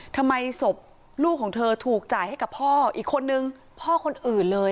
ทำไมศพลูกของเธอถูกจ่ายให้กับพ่ออีกคนนึงพ่อคนอื่นเลย